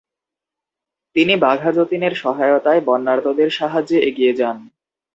তিনি বাঘা যতীনের সহায়তায় বন্যার্তদের সাহায্যে এগিয়ে যান।